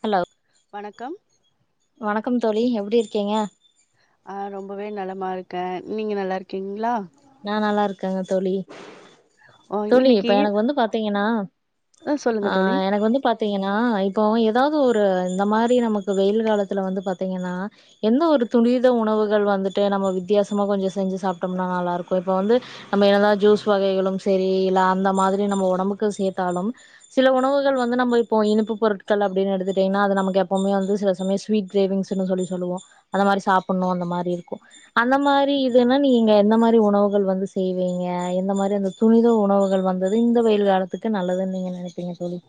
hello வணக்கம் வணக்கம் தோழி எப்டி இருக்கீங்க ஆஹ் ரொம்பவே நலமா இருக்கே நீங்க நல்லா இருக்கீங்களா நா நல்ல இருக்கேங்க தோழி ஓ, தோழி இப்ப இன்னைக்கு எனக்கு வந்து பா்த் செய்ங்ன்னா ஆ சொல்லுங்க தோழி ஆஹ் எனக்கு வந்து பாத்தீங்னா இப்போ ஏதாவது ஒரு ட்டு இந்த மாரி நமக்கு வெயில் காலத்துல வந்து பாத்தீங்னா எந்த ஒரு துனித உணவுகள் வந்துட்டு நம்ம வித்தியாசமா கொஞ்ச செஞ்சி சாப்ட்டோம்னா நல்லா இருக் இப்ப இப்ப வந்து நம்ம என்னத ஜூஸ் வகைகளும் சேரி இல்ல அந்த மாதிரி நம்ம உடம்புக்கு சேர்த்தாலும் சில உணவுகள் வந்து நம்ப இப்ப இனிப்பு பொருட்கள் அப்டின்னு எடுத்டீங்னா அது நமக்கு எப்பவுமே வந்து சில சமயம் ஸ்விட்ரேவிங்ஸ்னு சொல்லி சொல்லுவோ அத மாரி சாப்ணு அந்த மாரி இருக்கு அந்த மாரி இதுனு நீங்க எந்த மாரி உணவுகள் வந்து செய்வீங்க இந்த மாரி அந்த துணித உணவுகள் வந்தது இந்த வெயில் காலத்துக்கு நல்லதுன்னு நீங்க நெனப்பீங்க தோழி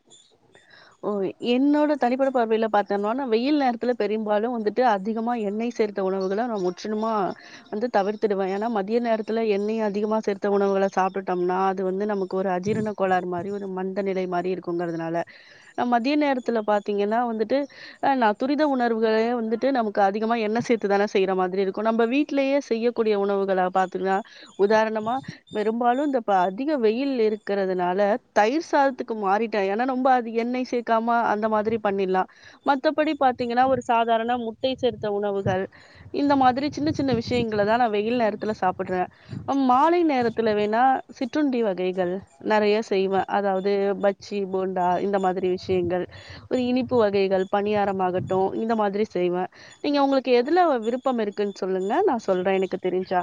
ஓ என்னோட தனிப்பட்டட பார்வையில பார்த்தேனோன வெயில் நேரத்துல பெரும்பாலும் வந்துட்டு அதிகமா எண்ணெய் சேர்த்த உணவுகள நம்ம முற்றிலுமா வந்து தவிர்த்துடுவே ஏனா மதிய நேரத்துல எண்ணெய் அதிகமா சேர்த்த உணவுள சாப்டுட்டோம்னா அது வந்து நமக் ஒரு அஜீர்ண கோளார் மாரி ஒரு மந்த நிலை மாதிரி இருக்குங்குரதால மதிய நேரத்துல பாார்த்தீங்கன்னா வந்துட்டு ஆஹ் நான் துரித உணர்வுகளே வந்துட்டு நமக்கு அதிகமா எண்ணெய் சேர்த்து தானே செய்யற மாதிரி இருக்கும் நம்ம வீடலேயே செய்யக்கூடிய உணவுகளை பாார்த்தீங்கன்னா உதாரணமா பெரும்பாலும் இந்தப்ப அதிக வெயில் இருக்கிறதுனால தயிர் சாதத்துக்கு மாறிட்டேன் ரெம்ப அது எண்ணெய் சேர்க்காம அந்த மாதிரி பண்ணிடலாம் மத்தபடியி பாத்தீங்கன்னா ஒரு சாதாரண முட்டை சேருத்த உணவுகள் இந்த மாதிரி சின்ன சின்ன விஷயங்கள தான் நான் வெயில் நேரத்துல சாப்பிடுறேன் மாலை நேரத்துல வேணா சிற்றுண்டி வகைகள் நிறைய செய்வேன் அதாவது பச்சி போண்டா இந்த மாதிரி விஷயங்கள் ஒரு இனிப்பு வகைகள் பணியாரமாககட்டும் இந்த மாதிரி செய்வேன் நீங்க உங்களுக்கு எதுல விருப்பம் இருக்குன்னு சொல்லுங்க நான் சொல்றேன் எனக்கு தெரிஞ்சா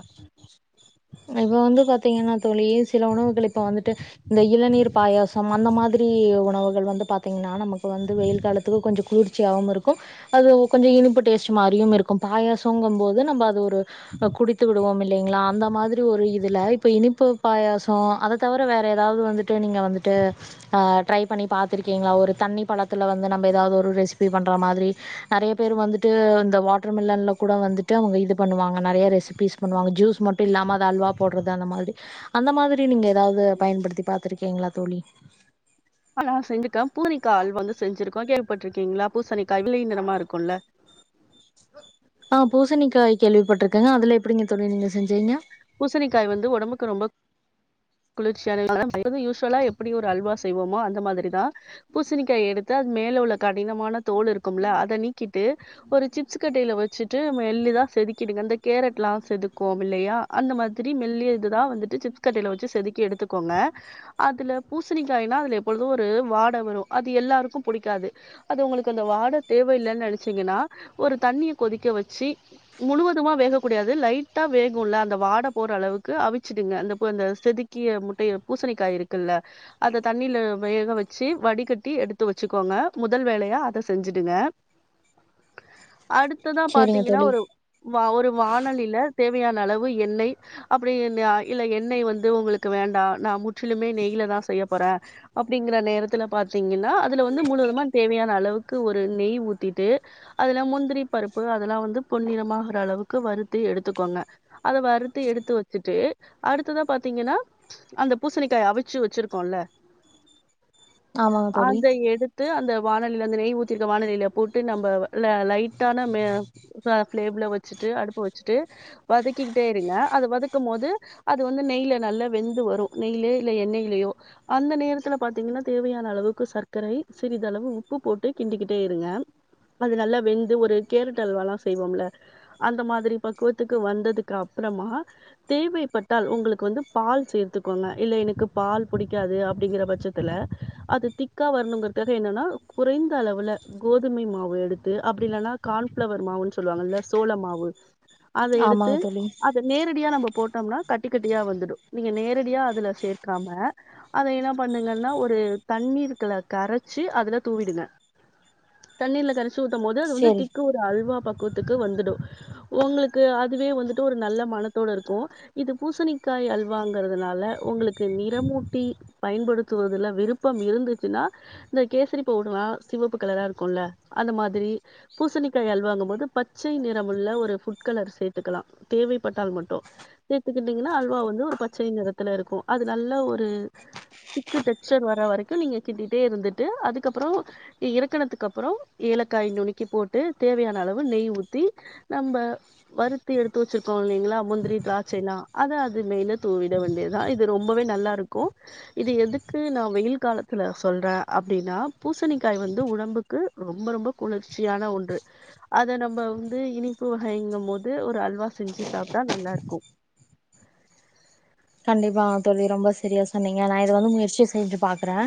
இப்ப வந்து பாத்தீங்கன்னா தோழ சில உணவுகள் இப்ப வந்துட்டு இந்த இளநீர் பாயாசம் அந்த மாதிரி உணவுகள் வந்து பாத்தீங்கன்னா நமக்கு வந்து வெயில் காலத்துக்கு கொஞ்சம் குளிர்ச்சியாவவும் இருக்கும் அது கஞ்சம் இனிப்பு டேஸ்ட் மாதிரியும் இருக்கும் பாயாசங்கும் போது நம்ம அது குடித்து விடுவோம் இல்லை இல்லைங்களா அந்த மாதிரி இதுல இப்ப இனிப்பு பாயசம் அத தவிர வேற ஏதாவது வந்து நீங்க வந்துட்டு ட்ரை பண்ணி பா்த்திருக்கீங்களா ஒரு தண்ணி பழத்துல வந்து நதாவது ஒரு ரெசிபி பண்ற மாதிரி நிறைய பே வந்துட்டு இந்த வாட்டர் மில்லன்ல கூட வ பண்ணுவாங்க நைய ரெசிபிஸ்வா ஜுஸ் மட்டும் இல்லாம அல்வா போடுறது அந்த மாதிரி அந்த மாதிரி நீங்க ஏதாவது பயன்படுத்தி பா்த்திருக்கீங்களா தோழி ஆனா செஞ்சுட்டேம் பூசனிக்கா அல்வா வந்து செஞ்சிருக்கோ பட்டிருக்கீங்களா பூசணிக்காய் வெள்ளை நிறமா இருக்கும்லல ஆஹ் பூணிக்காய் கேள்விப்பட்டிருக்கேங்க அதுல எப்படிங்க தோழி நீங்க செஞ்சுயிருக்கிஞ்க பூசணிக்காய் வந்து உடம்புக்கு ரொம்ப குளிர்ச்சியான யூசுவலா எப்படி ஒரு அல்வா செய்வோமோ அந்த மாதிரிதான் பூசணிக்காய் எடுத்து அது மேல உள்ள கடினமான தோல் இருக்கும்ல அதை நீக்கிட்டு ஒரு சிப்ஸ் கட்டையில வச்சுட்டு மெள்ளிதான் செதுக்கிடுங்க அந்த கேரட் எலாம் செதுக்குவோம் இல்லையா அந்த மாதிரி மெல்லி இது தான் வந்துட்டு சிப்ஸ்்கட்டையில் வச்சு செதுக்கி எடுத்துக்கோங்க அதில் பூசணிக்காயனா அதில் எப்பொழுதும் ஒரு வாடை வரும் அது எல்லாருக்கும் பிடிக்காது அது உங்களுக்கு அந்த வாடை தேவையில்லைன்னு நினைச்சிங்கன்னா ஒரு தண்ணியை கொதிக்க வச்சு முழுவதுமா வேகக்கூடியாது லைட்டாக வேகும்ல அந்த அ வாட போற அளவுக்கு அவிச்சிடுங்க அ அ செதுக்கிய முட்டைய பூசணிக்காய் இருக்குல்ல அதை தண்ணில வேக வச்சு வடிகட்டி எடுத்து வச்சுக்கோங்க முதல் வேலையா அதை செஞ்சுடுங்க அடுத்ததா சரிங்க பாத்தீங்கன்னா தோழி ஒரு வா ஒரு வானலில்ல தேவையான அளவுக்கு எண்ணெய் அப்படி இல்ல எண்ணெய் வந்து உங்களுக்கு வேண்டாம் நான் முற்றிலுமே நெய்யில்தான் செய்ய போறேன் அப்படிங்கற நேரத்துல பா்த்தீங்கன்னா அதுல வந்து முழுவதுமா தேவையான அளவுக்கு ஒரு நெய் ஊத்திட்டு அதுல முந்திரி பருப்பு அதெல்லாம் வந்து பொன்னிறமாகிற அளவுக்கு வருறுத்தி எடுத்துக்கோங்க அத வருறுத்து எடுத்து வச்சுட்டு அடுத்ததா பாத்தீங்கன்னா அந்த பூசணிக்காய் அவிச்சு வச்சிருக்கோம்ல ஆமாங்க தோழி அத எடுத்து அந்த வானலியில அந்த நெய் ஊத்திருக்க வானலியில போட்டு நம்ம லைட்டானஸபேம்முல வச்சுட்டு அடுப்பு வச்சுட்டு வதக்கிக்கிட்டே இருங்க அது வதக்கும் போது அது வந்து நெய்யில நல்லா வெந்து வரும் நெய்ல இல்ல எண்ணெய்யிலயோ அந்த நேரத்துல பாார்த்தீங்கன்னா தேவையான அளவுக்கு சர்க்கரை சிறிதளவு உப்பு போட்டு கிண்டிக்கிட்டே இருங்க அது நல்லா வெந்து ஒரு கேரட் அல்வல்லாம் செய்வோம்ல அந்த மாதிரி பக்குவத்துக்கு வந்ததுக்கு அப்புறமா தேவைப்பட்டால் உங்களுக்கு வந்து பால் சேர்த்துக்கோங்க இல்ல எனக்கு பால் பிடிக்காது அப்படிங்கிற பட்சத்துல அது திக்கா வரணுங்கிறதுக்காக என்னன்னா குறைந்த அளவுல கோதுமை மாவு எடுத்து அப்படி இல்லைன்னா கான்பளவர் மாவுன்னு சொல்லுவாங்க இல்ல சோள மாவு அத எடுத்து ஆமாங்க தோழி அத நேரடியா நம்ம போட்டோம்னா கட்டி கட்டியா வந்துடும் நீங்க நேரடியா அதுல சேர்க்காம அத என்ன பண்ணுங்கன்னா ஒரு தண்ணீர் கரைச்சு அதுல தூவிடுங்க தண்ணீர்ல கரைச்ச சுூத்தும் போது அது வந்து சரி திக்க ஒரு அல்வா கூத்துக்கு வந்துடும் உங்களுக்கு அதுவே வந்துட்டு ஒரு நல்ல மனத்தோடு இருக்கும் இது பூசணிக்காய் அல்வாங்கிறதுனால உங்களுக்கு நிறமூட்டி பயன்படுத்துவதுல விருப்பம் இருந்துச்சுன்னா இந்த கேசடிபவுடுடரா சிவப்பு கலராாக இருக்கும்ல அந்த மாதிரி பூசணிக்காய் அல்வாங்கும் போது பச்சை நிறம்முள்ளஒரு ரெட்கலர் சேர்த்துக்கலாம் தேவைப்பட்டால் மட்டும் சேர்த்துக்கிட்டீங்கன்னா அல்வா வந்து ஒரு பச்சை நிறத்துல இருக்கும் அது நல்ல ஒரு திக்கு டெக்ஸ்சர் வர்ற வரைக்கும் நீங்க கிட்டிட்டே இருந்துட்டு அதுக்கப்புறம் இறக்கனத்துக்கு அப்புறம் ஏலக்காய் நுணக்கி போட்டு தேவையான அளவு நெய் ஊற்றி நம்ம வறுத்து எடுத்து வச்சிருக்கோம் இல்லைங்களா முந்திரி திராட்சையல்லாம் அத அது நெய்யில் தூவிடுட வேண்டியதுதான் இது ரொம்பவே நல்லா இருக்கும் இது எதுக்கு நான் வெயில் காலத்துல சொல்றேன் அப்படின்னா பூசணிக்காய் வந்து உடம்புக்கு ரொம்ப ரொம்ப குளிர்ச்சியான ஒன்று அத நம்ம வந்து இனிப்பு வகைங்க போது ஒரு அல்வா செஞ்சு சாப்பிட்டா நல்லா இருக்கும் கண்டிப்பா தோழி ரொம்ப சரியா சார் நீங்க நான் இதை வந்து முயற்சி செஞ்சு பாக்குறேன்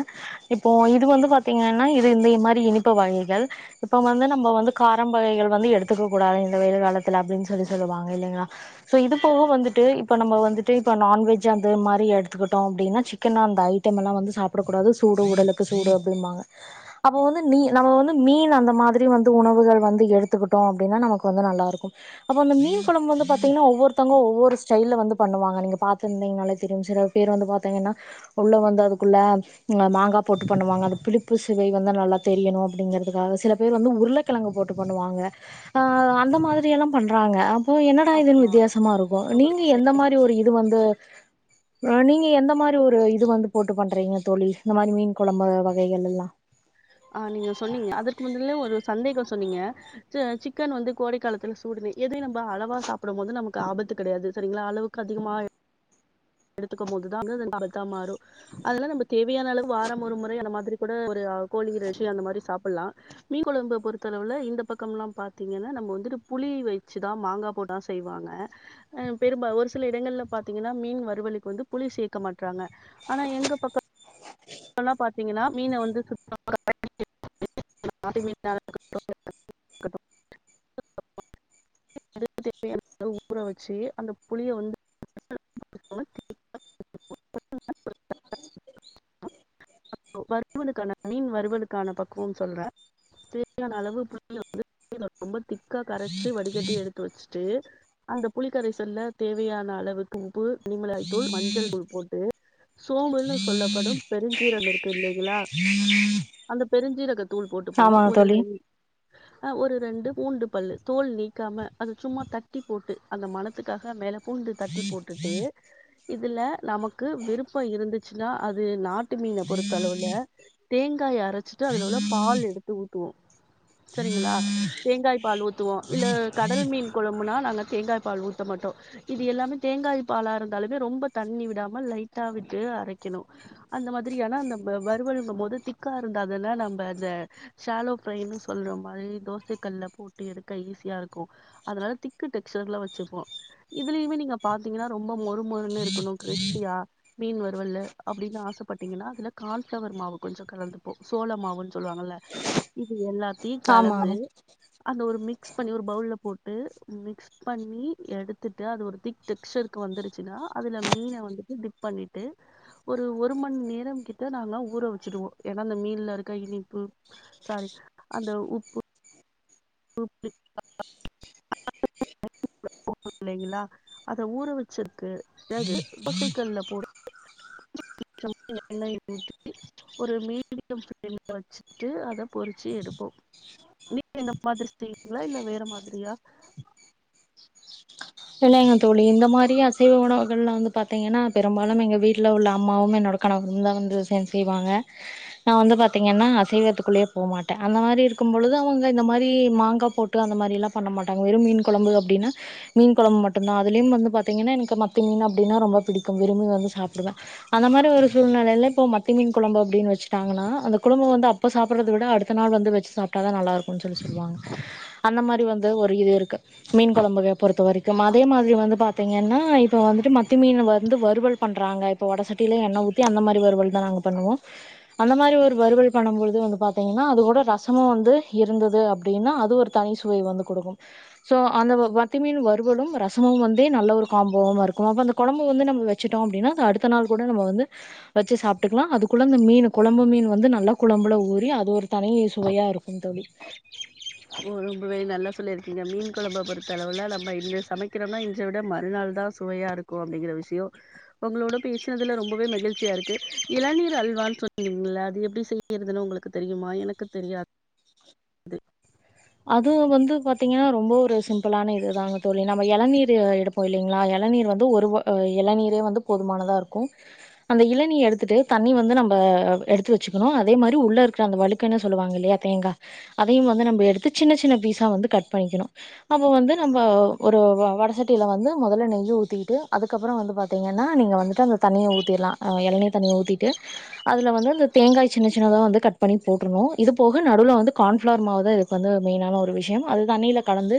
இப்போ இது வந்துட்டு பாத்தீங்கன்னா இது இந்த மாதிரி இனிப்பு வகைகள் இப்ப வந்து நம்ம வந்து காரம் வகைகள் வந்து எடுத்துக்க கூடாது இந்த வெயில் காலத்துல அப்படின்னு சொல்லி சொல்லுவாங்க இல்லலைங்களா சோ இது போக வந்துட்டு இப்ப நம்ம வந்துட்டு இப்ப நான் விய்ஜி அந்தமாதிரி எடுத்துக்கட்டும் அப்டின சிக்கன் அந்த அய்டம்மலாம் வந்து சாப்பிடக்குடாது சூடு உடலுக்கு சூட அப்டின்னுபாங்க அப்ப வந்து நம்ம மீன் அந்தமாதிரி வந்து உணவுகள் அந்ந குழம்புவந்து பாத்திங்கனா ஒவ்வொருத்தவங்களும் ஒவ்வொரு ஸ்டைல் பணுவாங்க நீங்க பாத்நதிங்கனாலே தெரியும் சில பேர் வந்து பார்த்தீங்கன்னா உள்ள வந்து அதுக்குள்ளே மாங்காய் போட்டு பண்ணுவாங்க அந்த பிளிப்பு சுவை வந்து நல்லா தெரியணும் அப்படிங்கறிறதுக்காக சில பேர் வந்து உருளைக்கிழங்கு போட்டு பண்ணுவாங்க அஹ அந்த மாதிரி எல்லாம் பண்றாங்க ஓ என்னடா இதுன்னு ஆமா வித்தியாசமாக இருக்கும் ரொம்பவே நீங்க சரி எந்த மாதிரி ஒரு இது வந்து ஆஹ நீங்க எந்த மாதிரி ஒரு இது வந்து போட்டு பண்றீங்க தோழி இந்த மாதிரி மீன் குழம்பு வகைகள் எல்லாம் ஆஹ நீங்க சொன்னீங்க அதற்கு முதல்ல ஒரு சந்தேகம் சொன்னீங்க சிக்கன் வந்து கோடை காலத்துல சூடுனு எதையும் நம்ம அளவா சாப்பிடும் போது நமக்கு ஆபத்து கிடையாது சரிங்களா அளவுக்கு அதிகமா எடுத்துக்கும் போதுதான்த்தான் மாறும் அதெலாம் மற்றும்நம்ம தேவையான அளவு வாரம் ஒரு முறை அந்த மாதிரி கூட ஒரு கோழிரைச்சி அந்த மாதிரி சாப்பிடலாம் மீன் குழம்பு பொறுத்தளவுல இந்த பக்கம் எல்லாம் பாத்தீங்கன்னா நம்ம வந்துட்டு புளி வச்சுதான் மாங்காய் போட்டு தான் செய்வாங்க பெரும்பாலும் ஒரு சில இடங்கள்ல்ல பாத்தீங்கன்னா மீன் வழிக்கு வந்து புளி சேக்கமாட்டங்க ஆனா எங்க பக்கம் ல்லாம் பாத்தீங்கன்னா மீனை வந்து சுத்தமா தேவையான ஊற வச்சு அந்த புளிய வந்து வறுவலுக்கான மீன் வறுவலுக்கான பக்குவம் சொல்றேன் தேவான அளவு புளிய வந்து ரொம்ப திக்கா கரைச்சு வடிகட்டி எடுத்து வச்சுட்டு அந்த புளிக்கரைசல்ல தேவையான அளவுக்கு உப்பு மிளாய் தூள் மஞ்சள் தூள் போட்டு சோம்பல்ன்னனு சொல்லப்படும் பெருஞ்சீரம் இரு இல்லைங்களா அந்த பெருஞ்சீரகத் தூள் போட்டுப்போம் ஆமாங்க ஒரு தோழி ரெண்டு ஒரு ரெண்டு பூண்டு பல்லு தோல் நீக்காம அது சும்மா தட்டி போட்டு அந்த மணத்துக்காக மேல பூண்டு தட்டி போட்டுட்டு இதுல நமக்கு விருப்பம் இருந்துச்சுன்னா அது நாட்டு மீன பொறுத் தலையில தேங்காய் அரைச்சிட்டு அதுல உள்ள பால் எடுத்து ஊத்துவோம் சரிங்களா தேங்காய் பால் ஊத்துவோம் இல்ல கடல் மீன் குழம்புனா நாங்க தேங்காய் பால் ஊத்த மாட்டோம் இது எல்லாமே தேங்காய் பாலா இருந்தாலுமே ரொம்ப தண்ணி விடாம லைட்டா விட்டு அரைக்கணும் அந்த மாதிரியான அந்த வறுவலுங்கும் போது திக்கா இருந்தா அதுல நம்ம அத ஷோலோ ப்ரை சொல்ற மாதிரி தோச கல்ல போட்டு எடுக்க ஈஸியா இருக்கும் அதனால திக்கு டெக்சர்ல வச்சுப்போம் இதுலேயுமே நீங்க பாத்தீங்கன்னா ரொம்ப மொறு மொறுன்னு இருக்கணும் கிரிஸ்பியா மீன் வருவல் அப்படின்னு ஆசைப்பட்டீங்கன்னா கால்ஃப்ளவர் மாவு கொஞ்சம் கலந்துப்போம் சோளமாவுன்னு சொல்லுவாங்கல்ல இது எல்லா தீ ஆமாங்க கலந்து அத ஒரு மிக்ஸ் பண்ணி ஒரு பவுல்ல போட்டு மிக்ஸ் பண்ணி எடுத்துட்டு அது ஒரு திக் டெக்ஸ்சர்க்கு வந்துருச்சுனா அதுல மீன வந்து டிப் பண்ணிட்டு ஒரு ஒரு மணிநேரம் கிட் த்து நல்லா ஊற வச்சுடுவோம் ஏன்னா அந்த மீன்ல இருக்க இனிப்பு சாரி அந்த உப்பு இல்லைங்களா அத ஊற வச்சிருக்கு பிறகு தோசக்கல்ல போட்டு எண்ணெய் ஊத்தி ஒரு மீடியம் பிளேம்ல வச்சுட்டு அத பொறிச்சு எடுப்போம் நீ எந்த மாதிரி செய்வீங்களா இல்ல வேற மாதிரியா இல்லைங்க தோழி இந்த மாரி அசைவ உ உணவுகள் எல்லாம்ல வந்து பாரத்தீங்கன்னா பெரும்பாலும் எங்க வீட்டுல உள்ள அம்மாவும் என்னோட கணவம தான் வந்து விம் செய்வாங்க நான் வந்து பாத்தீங்கன்னா அசைவத்துக்குள்ளேயே போகமாட்டேன் அந்த மாதிரி இருக்கும்பழுது அவங்க இந்த மாதிரி மாங்காய் போட்டு அந்த மாதிரி எல்லாம் பண்ண மாட்டாங்க வெறும் மீன் குழம்பு அப்படின்னா மீன் குழம்பு மட்டும்தா அதுலயும் வந்து பார்த்திங்கன்னா எனக்கு மத்தி மீன் அப்படினா ரொம்பிடிக்கும் விரும்பி வந்து சாப்பிடுவே அந்த மாரி ஒரு சூழ்நிலையில் இப்போ மத்தி மீன் குழம்பு அப்படினு வச்சுட்டாங்கன்னா அந்த குழம்பு வந்து அப்போ சாப்பிட்றத விட அடுத்த நாள் வந்து வச்சு சாப்பிட்டா தா நல்லா இருக்கும்னு சொல்லி சொல்லுவாங்க அந்த மாதிரி வந்து ஒரு இது இருக்குது மீன் குழம்புவே பொறுத்த வரைக்கும் அதே மாதிரி வந்து பார்த்தீங்கன்னா இப்போ வந்துட்டு மத்தி மீன வந்து வறுவல் பண்ணுறாங்க இப்ப வடசட்டியில எண்ணெ ஊத்தி அந்த மாரி வறுவல் தா நாங்க பண்ணுவோ அந்த மாறி வறுவல் பண்ணும் போது பாத்தீங்கன்னா வந்து அது கூட ரசமும் வந்து இருந்தது அப்படின்னா அது ஒரு தனி சுவை வந்து கொடுக்கும் ஸோ அந்த மத்தி மீன் வறுவலும் ரசமும் வந்தே நல்ல ஒரு ஹம் போவமா இருக்கும் அப்ப அந்த கொழம்பு வந்து நம்ம வச்சிட்டோம் அப்படினா அடுத்த நாள் கூட வந்து வச்சு சாப்பிட்டுக்கலாம் அது கொழம்புமீன் கொழம்புமீன் வந்து நல்ல கொழம்புல ஊரி அது ஒரு தனி சுவையா இருக்கும் தோழி ஓ ரொம்பவே நல்ல சொல்லி இருக்கீங்க மீன் கொழம்ப பொறுத்தளவுல நம்ம இங்க சமைக்கிறோனா இத விட மறுநாள் தா சுவையா இருக்கும் அப்படிங்கிற விஷயம் உங்களோட பேசுனதுல ரொம்பவே மகிழ்ச்சியா இருக்கு இளநீர் அல்வானு சொன்னீங்களே எப்படி செய்றதுனு உங்களுக்கு தெரியுமா எனக்கு தெரியாது அது அது வந்து பாத்தீங்கன்னா ரொம்ப ஒரு சிம்பிளான இதுதாங்க தோழி நம்ம இளநீர் எடுப்போம் இல்லைங்களா இளநீர் வந்து ஒரு இளநீரே வந்து போதுமானதா இருக்கும் அந்த இளநீய எடுத்துட்டு தண்ணி வந்து நம்ப எடுத்து வச்சுக்கணும் அதே மாதிரி உள்ள இருக்ற அந்த வழுக்குனு சொல்லுவாங்க இல்லையா தேங்கா அதையும் வந்து நம்ம எடுத்து சின்ன சின்ன பீஸாக வந்து கட் பண்ணிக்கணும் அப்போ வந்து நம்ம ஒரு வடசட்டியில் வந்து முதல நெய் ஊத்திக்கிட்டு அதுக்கப்புறம் வந்து பார்த்தீங்கன்னா நீங்க வந்துட்டு அந்த தண்ணிய ஊத்திலாம் இளநீ தண்ணிய ஊத்திட்டு அதுல வந்து அந்த தேங்காய் சின்ன சின்னதாக வந்து கட் பண்ணி போட்றணும் இது போக நடுவுல வந்து கார்ன்ஃப்ளர் மாவுதா வந்து மெயினான ஒரு விஷயம் அது தண்ணில கலந்து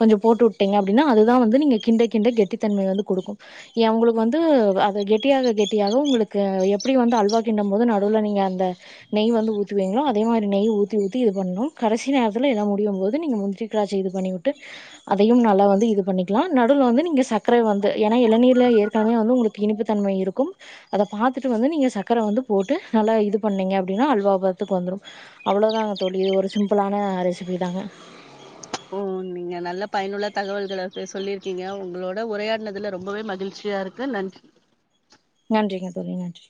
கொஞ்சம் போட்டுவுட்டீங்க அப்படின்னா அதுதா வந்து நீங்க கிண்ட கிண்டகெட்டித்தன்மை வந்து குடுக்கும் யம் உங்களுக்கு வந்து அது கெட்டியாக கெட்டியாக உங்களுக்கு எப்படி வந்து அல்வா கிண்ட போது நடுவுல நீங்க அந்த நெய் வந்து ஊத்திவீங்களோ அதே மாரி நெய் ஊத்தி ஊத்தி இது பண்ணும் கடைசி கடைசி நேரத்துல எல்லாம் முடியும் போது நீங்க முந்திரி திராட்சைய இது பண்ணி விட்டு அதையும் நல்லா வந்து இது பண்ணிக்கலாம் நடுவுல வந்து நீங்க சர்க்கர வந்து ஏன்னா இளநீர்ல ஏற்கனவே வந்து உங்களுக்கு இனிப்பு தன்மை இருக்கும் அதை பார்த்துட்டு வந்து நீங்க சர்க்கர வந்து போட்டு நல்லா இது பண்ணீங்க அப்படினா அல்வா பதத்துக்கு வந்துடும் அவ்வளங்கதா தோழி சிம்பளான ரெசிபி தாங்க நீ நல்ல பயனுள்ள தகவல்கள சொல்லிருக்கீங்க உங்களோட உரையாடினதுல ரொம்பவே மகிழ்ச்சியா இருக்கு நன்றி நன்றிங்க தோழி நன்றி